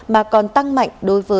mà còn tăng mạnh hơn trong thời gian tới